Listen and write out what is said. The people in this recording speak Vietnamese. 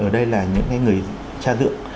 ở đây là những cái người cha dưỡng